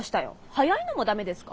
早いのもダメですか。